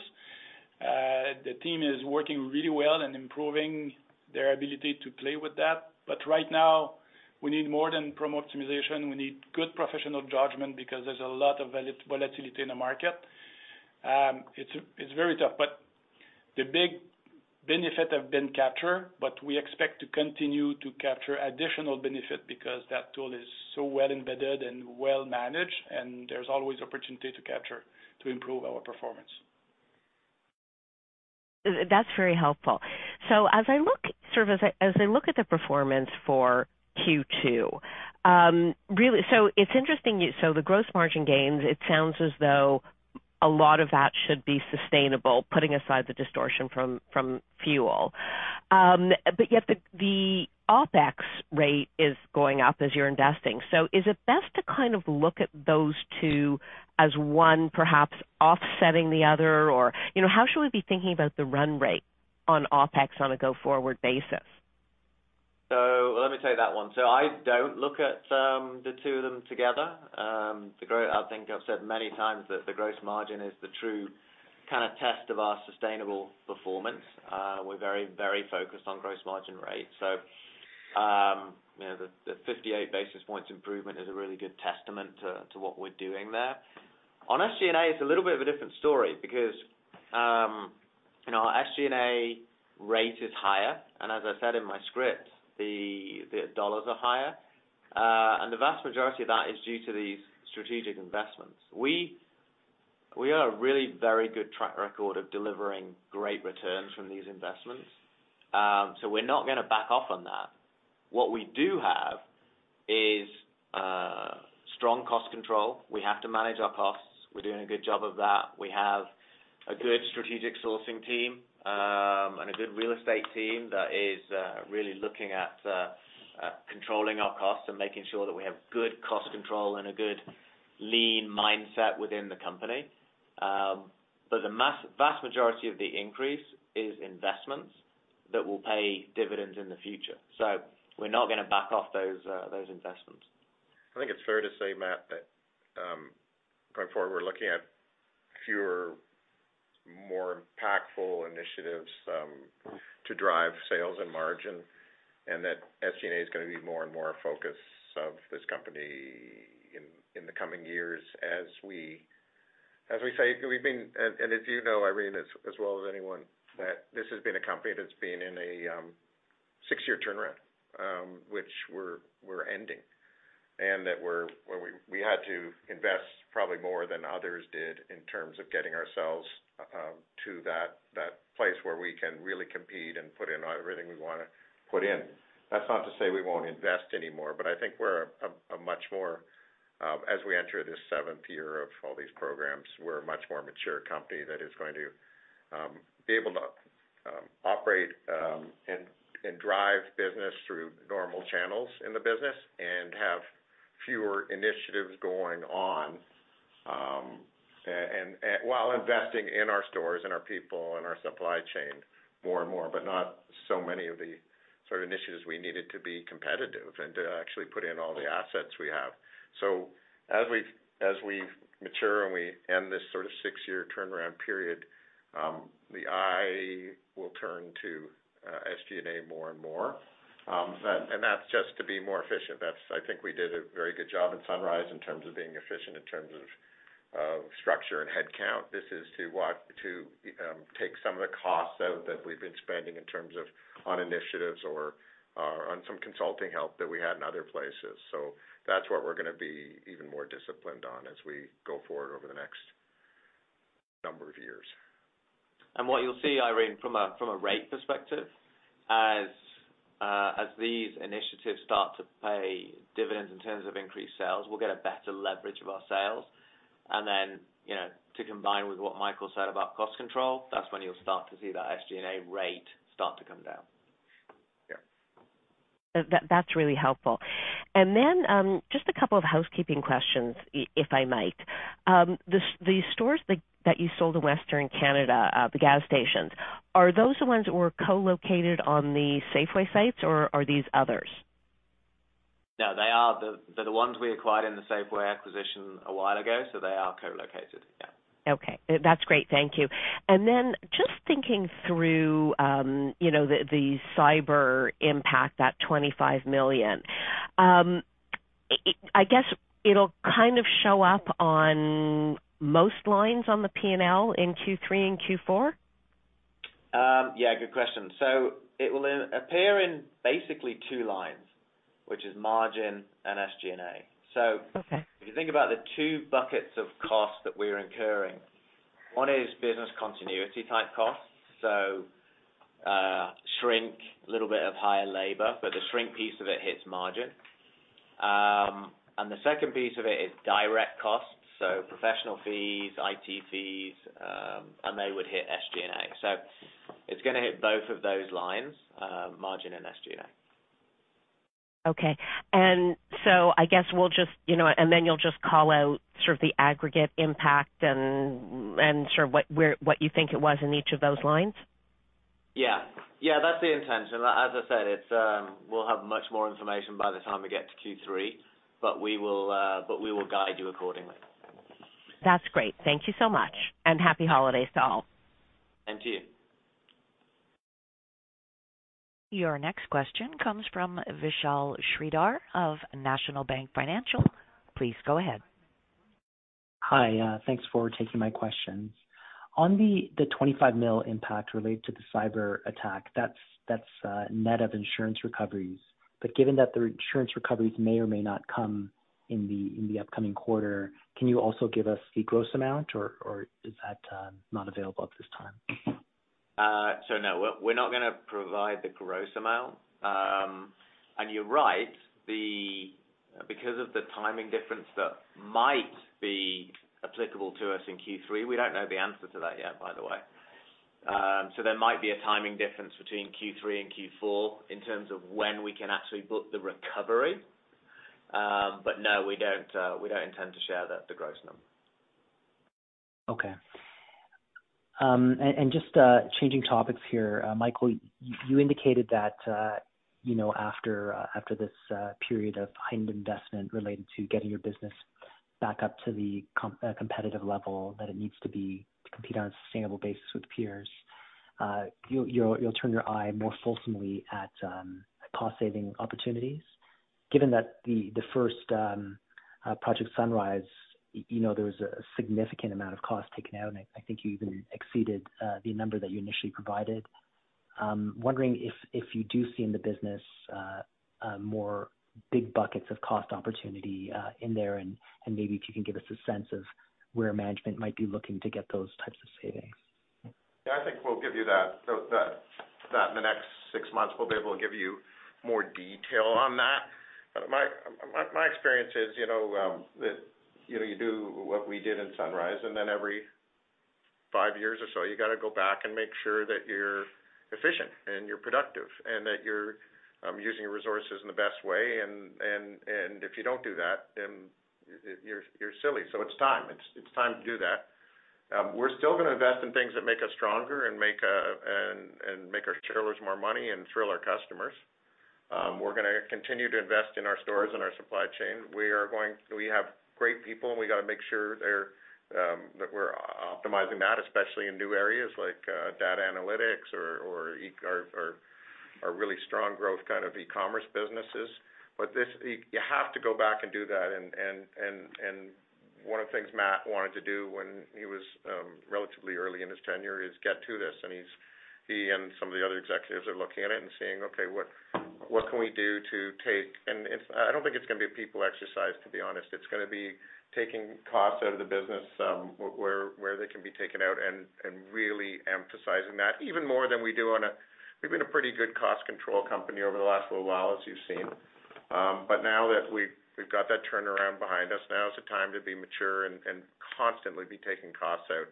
The team is working really well and improving their ability to play with that. Right now, we need more than promo optimization. We need good professional judgment because there's a lot of volatility in the market.It's very tough, but the big benefit have been captured, but we expect to continue to capture additional benefit because that tool is so well embedded and well managed, and there's always opportunity to capture to improve our performance. That's very helpful. As I look at the performance for Q2, it's interesting. The gross margin gains, it sounds as though a lot of that should be sustainable, putting aside the distortion from fuel. Yet the OpEx rate is going up as you're investing. Is it best to kind of look at those two as one perhaps offsetting the other? Or, you know, how should we be thinking about the run rate on OpEx on a go-forward basis? Let me take that one. I don't look at the two of them together. I think I've said many times that the gross margin is the true kinda test of our sustainable performance. We're very focused on gross margin rate. You know, the 58 basis points improvement is a really good testament to what we're doing there. On SG&A, it's a little bit of a different story because our SG&A rate is higher, and as I said in my script, the dollars are higher, and the vast majority of that is due to these strategic investments. We have a really very good track record of delivering great returns from these investments. We're not gonna back off on that. What we do have is strong cost control. We have to manage our costs. We're doing a good job of that. We have a good strategic sourcing team, and a good real estate team that is, really looking at, controlling our costs and making sure that we have good cost control and a good lean mindset within the company. The vast majority of the increase is investments that will pay dividends in the future. We're not gonna back off those investments. I think it's fair to say, Matt, that, going forward, we're looking at fewer, more impactful initiatives, to drive sales and margin, and that SG&A is gonna be more and more a focus of this company in the coming years as we say, we've been... As you know, Irene, as well as anyone, that this has been a company that's been in a, six-year turnaround, which we're ending, and that where we had to invest probably more than others did in terms of getting ourselves, to that place where we can really compete and put in everything we wanna put in. That's not to say we won't invest anymore, but I think we're a much more, as we enter this seventh year of all these programs, we're a much more mature company that is going to be able to operate and drive business through normal channels in the business and have fewer initiatives going on, and while investing in our stores and our people and our supply chain more and more, but not so many of the sort of initiatives we needed to be competitive and to actually put in all the assets we have. As we've mature and we end this sort of six-year turnaround period, the eye will turn to SG&A more and more. And that's just to be more efficient. That's, I think we did a very good job in Sunrise in terms of being efficient, in terms of structure and headcount. This is to take some of the costs out that we've been spending in terms of on initiatives or on some consulting help that we had in other places. That's what we're gonna be even more disciplined on as we go forward over the next number of years. What you'll see, Irene, from a, from a rate perspective, as these initiatives start to pay dividends in terms of increased sales, we'll get a better leverage of our sales. You know, to combine with what Michael said about cost control, that's when you'll start to see that SG&A rate start to come down. Yeah. That's really helpful. Just a couple of housekeeping questions, if I might. The stores that you sold in Western Canada, the gas stations, are those the ones that were co-located on the Safeway sites, or are these others? No, they are the ones we acquired in the Safeway acquisition a while ago, so they are co-located. Yeah. Okay. That's great. Thank you. Just thinking through, you know, the cyber impact, that 25 million, I guess it'll kind of show up on most lines on the P&L in Q3 and Q4? Yeah, good question. It will appear in basically two lines, which is margin and SG&A. Okay. If you think about the two buckets of costs that we're incurring, one is business continuity type costs. Shrink, a little bit of higher labor, but the shrink piece of it hits margin. The second piece of it is direct costs, so professional fees, IT fees, and they would hit SG&A. It's gonna hit both of those lines, margin and SG&A. Okay. I guess we'll just, you know. You'll just call out sort of the aggregate impact and sort of what, where, what you think it was in each of those lines? Yeah. Yeah, that's the intention. As I said, it's... We'll have much more information by the time we get to Q3. We will guide you accordingly. That's great. Thank you so much, and happy holidays to all. To you. Your next question comes from Vishal Shreedhar of National Bank Financial. Please go ahead. Hi. Thanks for taking my questions. On the 25 million impact related to the cyberattack, that's net of insurance recoveries. Given that the insurance recoveries may or may not come in the upcoming quarter, can you also give us the gross amount, or is that not available at this time? No, we're not gonna provide the gross amount. You're right. Because of the timing difference that might be applicable to us in Q3, we don't know the answer to that yet, by the way. There might be a timing difference between Q3 and Q4 in terms of when we can actually book the recovery. No, we don't, we don't intend to share the gross number. Just changing topics here, Michael, you indicated that, you know, after this period of high investment related to getting your business back up to the competitive level that it needs to be to compete on a sustainable basis with peers, you'll turn your eye more fulsomely at cost saving opportunities. Given that the first Project Sunrise, you know, there was a significant amount of cost taken out, and I think you even exceeded the number that you initially provided. Wondering if you do see in the business more big buckets of cost opportunity in there, and maybe if you can give us a sense of where management might be looking to get those types of savings. Yeah, I think we'll give you that. That in the next six months, we'll be able to give you more detail on that. My experience is, you know, that, you know, you do what we did in Sunrise, and then every five years or so you gotta go back and make sure that you're efficient and you're productive and that you're using resources in the best way. If you don't do that, then you're silly. It's time. It's time to do that. We're still gonna invest in things that make us stronger and make and make our shareholders more money and thrill our customers. We're gonna continue to invest in our stores and our supply chain. We have great people, and we gotta make sure they're that we're optimizing that, especially in new areas like data analytics or really strong growth kind of e-commerce businesses. You have to go back and do that, and one of the things Matt wanted to do when he was relatively early in his tenure is get to this, he and some of the other executives are looking at it and seeing, okay, what can we do to take... I don't think it's gonna be a people exercise, to be honest. It's gonna be taking costs out of the business, where they can be taken out and really emphasizing that even more than we do. We've been a pretty good cost control company over the last little while, as you've seen. Now that we've got that turnaround behind us, now is the time to be mature and constantly be taking costs out.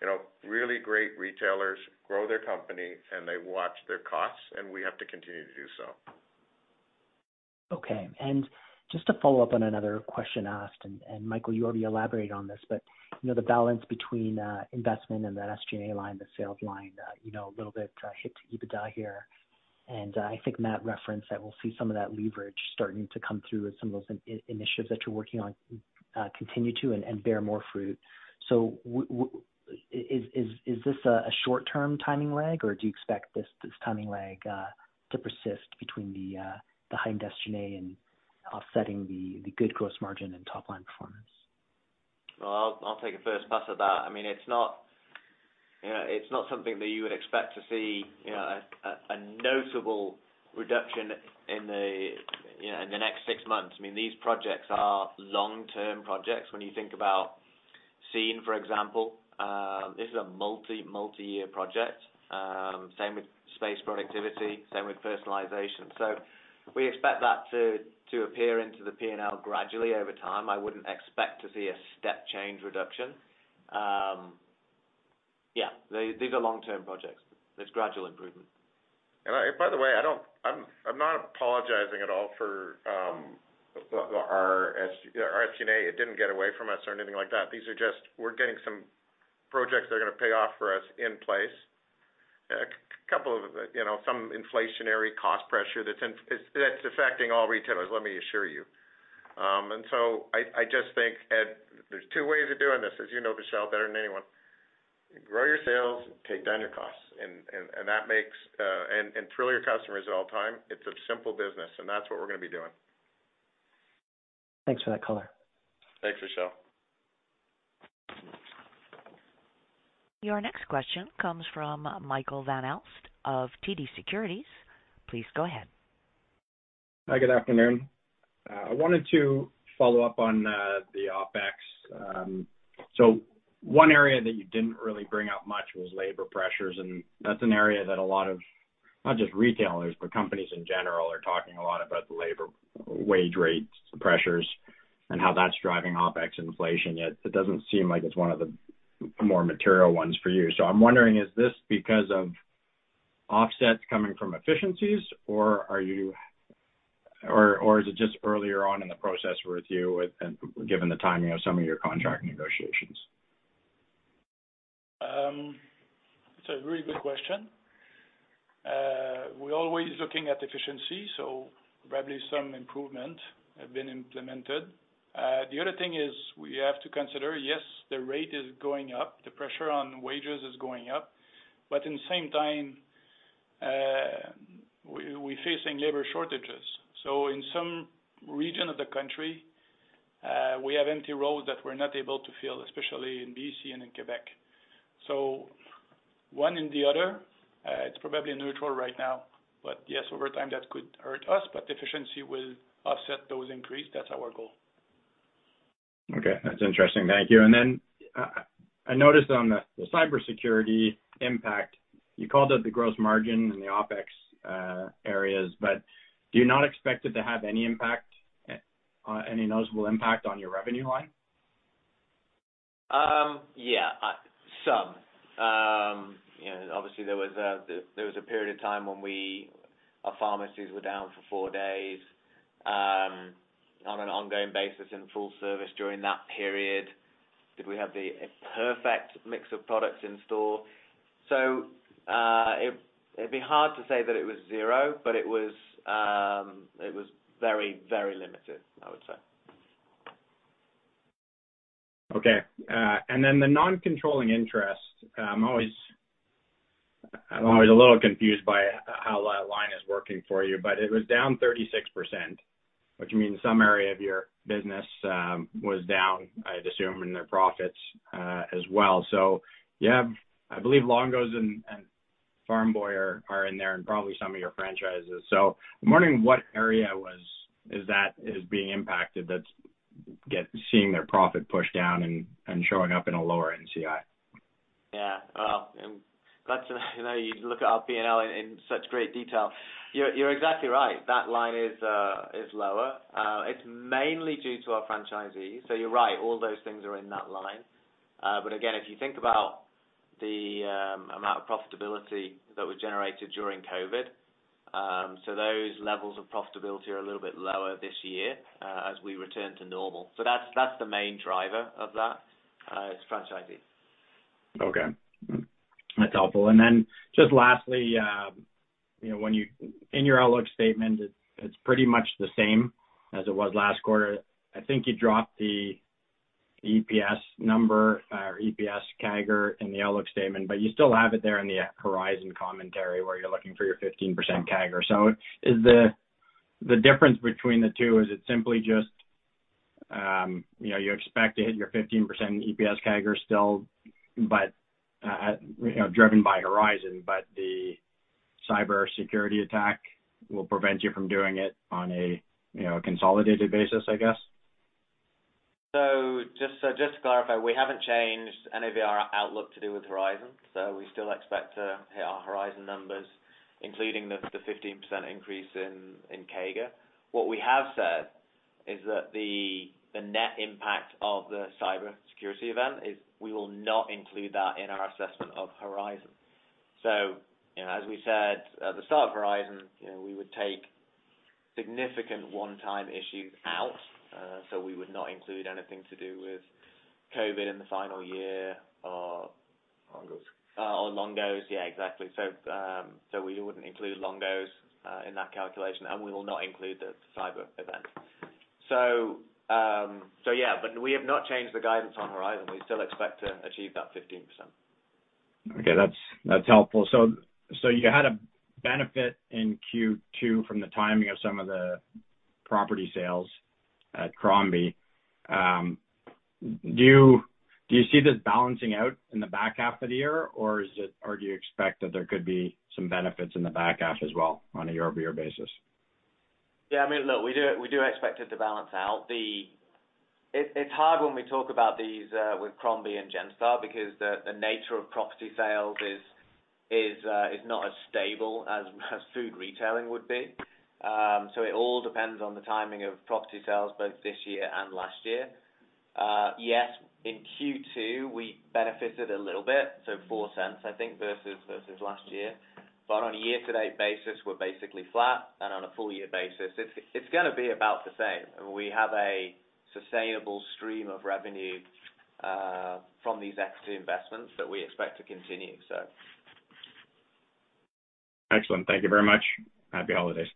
You know, really great retailers grow their company, and they watch their costs, and we have to continue to do so. Okay. Just to follow up on another question asked, and Michael, you already elaborated on this, but you know, the balance between investment and the SG&A line, the sales line, you know, a little bit hit to EBITDA here. I think Matt referenced that we'll see some of that leverage starting to come through as some of those initiatives that you're working on, continue to and bear more fruit. Is this a short-term timing lag, or do you expect this timing lag to persist between the high invest SG&A and offsetting the good gross margin and top-line performance? Well, I'll take a first pass at that. I mean, it's not, you know, it's not something that you would expect to see, you know, a notable reduction in the, you know, in the next six months. I mean, these projects are long-term projects. When you think about Scene+, for example, this is a multi-year project. Same with space productivity, same with personalization. We expect that to appear into the P&L gradually over time. I wouldn't expect to see a step change reduction. Yeah, these are long-term projects. There's gradual improvement. By the way, I'm not apologizing at all for our SG&A. It didn't get away from us or anything like that. These are just, we're getting some projects that are gonna pay off for us in place. A couple of, you know, some inflationary cost pressure that's affecting all retailers, let me assure you. I just think, Vishal, there's two ways of doing this, as you know, Vishal, better than anyone. Grow your sales and take down your costs and that makes, and thrill your customers at all time. It's a simple business, and that's what we're gonna be doing. Thanks for that color. Thanks, Vishal. Your next question comes from Michael Van Aelst of TD Securities. Please go ahead. Hi, good afternoon. I wanted to follow up on the OpEx. One area that you didn't really bring up much was labor pressures. That's an area that a lot of not just retailers, but companies in general are talking a lot about the labor wage rates pressures and how that's driving OpEx inflation. It doesn't seem like it's one of the more material ones for you. I'm wondering, is this because of offsets coming from efficiencies, or are you or is it just earlier on in the process with you with and given the timing of some of your contract negotiations? It's a really good question. We're always looking at efficiency, so probably some improvement have been implemented. The other thing is we have to consider, yes, the rate is going up, the pressure on wages is going up, but in the same time, we facing labor shortages. In some region of the country, we have empty roles that we're not able to fill, especially in BC and in Quebec. One in the other, it's probably a neutral right now, but yes, over time that could hurt us, but efficiency will offset those increase. That's our goal. Okay. That's interesting. Thank you. I noticed on the cybersecurity impact, you called out the gross margin and the OpEx areas, do you not expect it to have any impact, any noticeable impact on your revenue line? Yeah, some. You know, obviously there was a period of time when our pharmacies were down for four days on an ongoing basis in full service during that period. Did we have the perfect mix of products in store? it'd be hard to say that it was zero, but it was very, very limited, I would say. Okay. The non-controlling interest, I'm always a little confused by how that line is working for you. It was down 36%, which means some area of your business was down, I'd assume, and their profits as well. You have, I believe, Longo's and Farm Boy are in there and probably some of your franchises. I'm wondering what area is being impacted that's seeing their profit pushed down and showing up in a lower NCI. Yeah. Well, I'm glad to know you look at our P&L in such great detail. You're exactly right. That line is lower. It's mainly due to our franchisees. You're right, all those things are in that line. Again, if you think about the amount of profitability that was generated during COVID, those levels of profitability are a little bit lower this year as we return to normal. That's the main driver of that is franchisees. Okay. That's helpful. Just lastly, you know, in your outlook statement it's pretty much the same as it was last quarter. I think you dropped the EPS number or EPS CAGR in the outlook statement, but you still have it there in the Horizon commentary where you're looking for your 15% CAGR. Is the difference between the two, is it simply just, you know, you expect to hit your 15% in EPS CAGR still, but, driven by Horizon, but the cybersecurity attack will prevent you from doing it on a consolidated basis, I guess? Just to clarify, we haven't changed any of our outlook to do with Horizon. We still expect to hit our Horizon numbers, including the 15% increase in CAGR. What we have said is that the net impact of the cybersecurity event is we will not include that in our assessment of Horizon. You know, as we said at the start of Horizon, you know, we would take significant one-time issues out, we would not include anything to do with COVID in the final year. Longo's. Longo's. Yeah, exactly. We wouldn't include Longo's in that calculation, and we will not include the cyber event. Yeah, we have not changed the guidance on Horizon. We still expect to achieve that 15%. Okay. That's helpful. You had a benefit in Q2 from the timing of some of the property sales at Crombie. Do you see this balancing out in the back half of the year or do you expect that there could be some benefits in the back half as well on a year-over-year basis? I mean, look, we do expect it to balance out. It's hard when we talk about these with Crombie and Genstar because the nature of property sales is not as stable as food retailing would be. It all depends on the timing of property sales both this year and last year. Yes, in Q2, we benefited a little bit, so 0.04 I think versus last year. On a year-to-date basis, we're basically flat, and on a full year basis, it's gonna be about the same. We have a sustainable stream of revenue from these exit investments that we expect to continue. Excellent. Thank you very much. Happy holidays.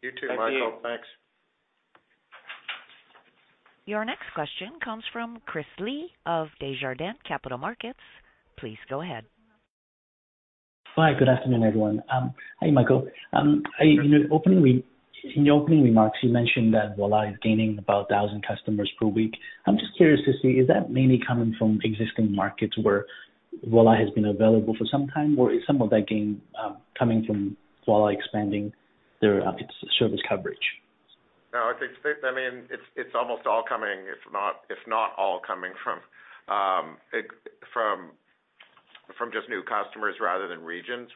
You too, Michael. Thank you. Thanks. Your next question comes from Chris Li of Desjardins Capital Markets. Please go ahead. Hi. Good afternoon, everyone. Hi, Michael. In the opening remarks you mentioned that Voilà is gaining about 1,000 customers per week. I'm just curious to see, is that mainly coming from existing markets where Voilà has been available for some time, or is some of that gain, coming from Voilà expanding their, its service coverage? I think, that I mean, it's almost all coming, if not all coming from just new customers rather than regions.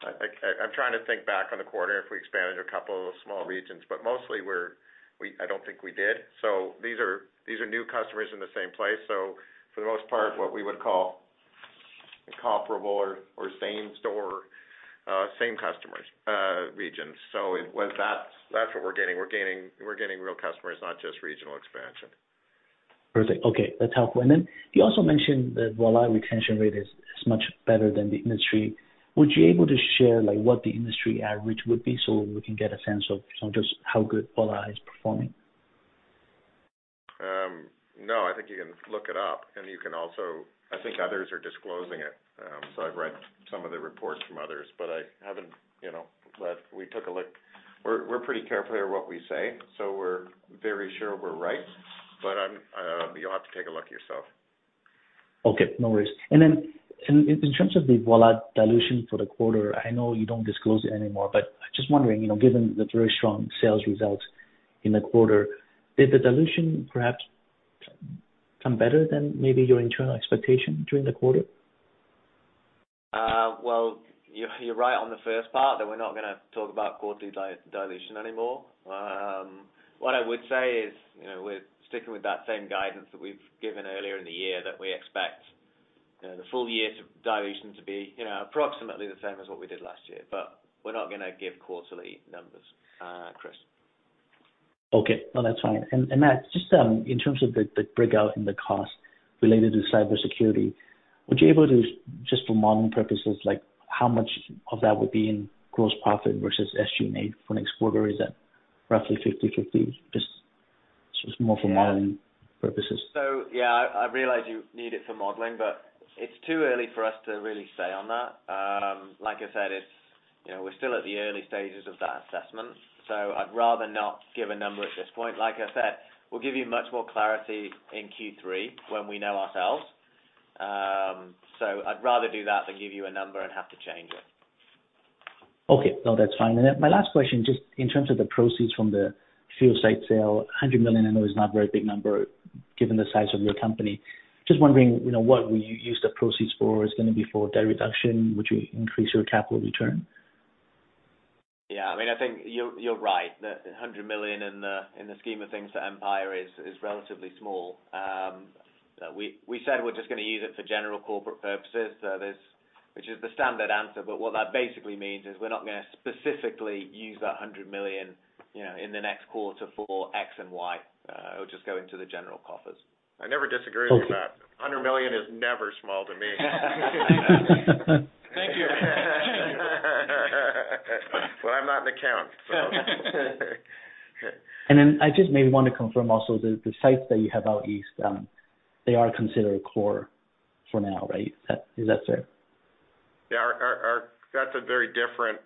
I'm trying to think back on the quarter if we expanded a couple of small regions, mostly I don't think we did. These are new customers in the same place. For the most part, what we would call comparable or same store, same customers, regions. With that's what we're gaining. We're gaining real customers, not just regional expansion. Perfect. Okay. That's helpful. You also mentioned that Voilà retention rate is much better than the industry. Would you able to share like what the industry average would be so we can get a sense of just how good Voilà is performing? No, I think you can look it up and you can also I think others are disclosing it. I've read some of the reports from others, but I haven't, you know, but we took a look. We're pretty careful here what we say, so we're very sure we're right. I'm, you'll have to take a look yourself. Okay. No worries. In terms of the Voilà dilution for the quarter, I know you don't disclose it anymore, but just wondering, you know, given the very strong sales results in the quarter, did the dilution perhaps come better than maybe your internal expectation during the quarter? Well, you're right on the first part that we're not gonna talk about quarterly dilution anymore. What I would say is, you know, we're sticking with that same guidance that we've given earlier in the year that we expect, you know, the full year dilution to be, you know, approximately the same as what we did last year. We're not gonna give quarterly numbers, Chris. Okay. No, that's fine. Matt, just in terms of the breakout in the cost related to cybersecurity, would you be able to, just for modeling purposes, like how much of that would be in gross profit versus SG&A for the next quarter? Is that roughly 50/50? Just more for modeling purposes. Yeah, I realize you need it for modeling, but it's too early for us to really say on that. Like I said, it's You know, we're still at the early stages of that assessment, so I'd rather not give a number at this point. Like I said, we'll give you much more clarity in Q3 when we know ourselves. I'd rather do that than give you a number and have to change it. Okay. No, that's fine. My last question, just in terms of the proceeds from the fuel site sale, 100 million I know is not a very big number given the size of your company. Wondering, you know, what will you use the proceeds for? Is it going to be for debt reduction? Would you increase your capital return? Yeah. I mean, I think you're right. The 100 million in the, in the scheme of things for Empire is relatively small. We, we said we're just gonna use it for general corporate purposes. Which is the standard answer. What that basically means is we're not gonna specifically use that 100 million, you know, in the next quarter for X and Y. It'll just go into the general coffers. I never disagree with that. Okay. 100 million is never small to me. Thank you. I'm not an accountant, so... I just maybe want to confirm also the sites that you have out east, they are considered core for now, right? Is that, is that fair? That's a very different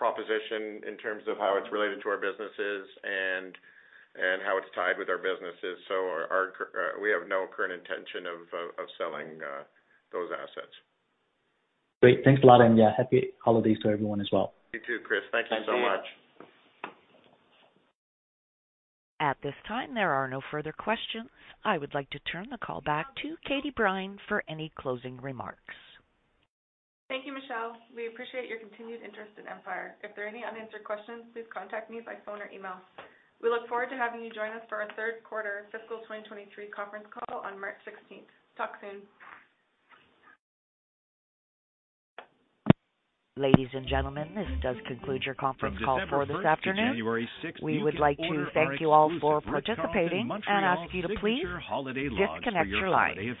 proposition in terms of how it's related to our businesses and how it's tied with our businesses. We have no current intention of selling those assets. Great. Thanks a lot. Yeah, happy holidays to everyone as well. You too, Chris. Thank you so much. Thank you. At this time, there are no further questions. I would like to turn the call back to Katie Brine for any closing remarks. Thank you, Michelle. We appreciate your continued interest in Empire. If there are any unanswered questions, please contact me by phone or email. We look forward to having you join us for our third quarter fiscal 2023 conference call on March 16th. Talk soon. Ladies and gentlemen, this does conclude your conference call for this afternoon. We would like to thank you all for participating and ask you to please disconnect your line.